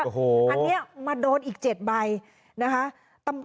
อันนี้มาโดนอีก๗ใบนะคะ